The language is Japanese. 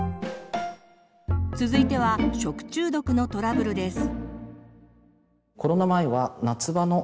続いては食中毒のトラブルです。